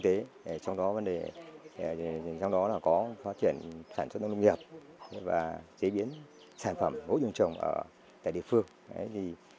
trong đó là có phát triển sản xuất lâm nghiệp và chế biến sản phẩm hỗ trường trồng tại địa phương